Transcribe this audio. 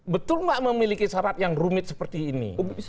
betul nggak memiliki syarat yang rumit seperti ini